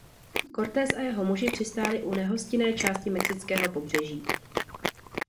Cortés a jeho muži přistáli u nehostinné části mexického pobřeží.